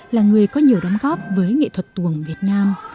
là người có nhiều đóng góp với nghệ thuật tuồng việt nam